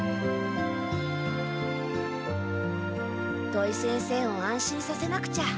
土井先生を安心させなくちゃ。